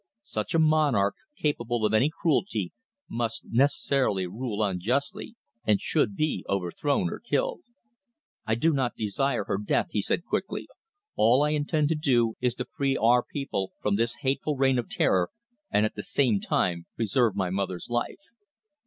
Such a monarch, capable of any cruelty, must necessarily rule unjustly, and should be overthrown or killed." "I do not desire her death," he said quickly. "All I intend to do is to free our people from this hateful reign of terror, and at the same time preserve my mother's life."